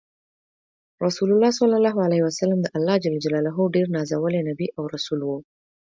رسول الله ص د الله ډیر نازولی نبی او رسول وو۔